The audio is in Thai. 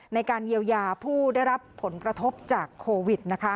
ในการเยียวยาผู้ได้รับผลกระทบจากโควิด